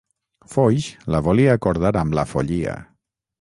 Foix la volia acordar amb la Follia.